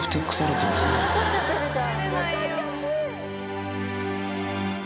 怒っちゃってるじゃん。